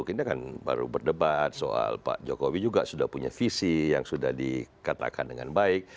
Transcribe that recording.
kita kan baru berdebat soal pak jokowi juga sudah punya visi yang sudah dikatakan dengan baik